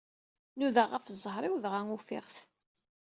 Nudaɣ ɣef zzheṛ-iw, dɣa ufiɣ-t